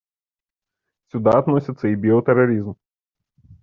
Сюда относится и биотерроризм.